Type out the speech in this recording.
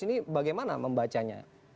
ini bagaimana membacanya